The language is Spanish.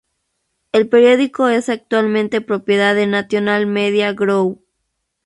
El periódico es actualmente propiedad de National Media Group.